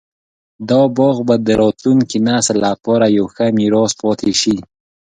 دا باغ به د راتلونکي نسل لپاره یو ښه میراث پاتې شي.